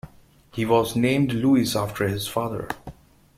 He was named Louis after his father.